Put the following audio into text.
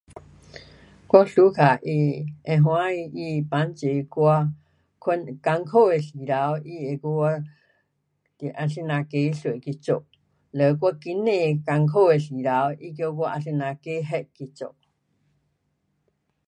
我 suka 它，会欢喜它帮助我，我困苦的时头，它会跟我啊怎样解释去做，嘞我经济困苦的时头，它叫我啊怎样计划去做。